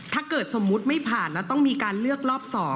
ถ้าเกิดสมมุติไม่ผ่านแล้วต้องมีการเลือกรอบ๒